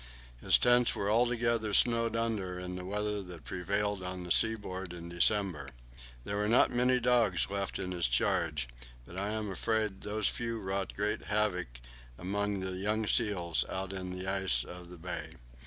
His tents were altogether snowed under in the weather that prevailed on the seaboard in December. There were not many dogs left in his charge, but I am afraid those few wrought great havoc among the young seals out on the ice of the bay.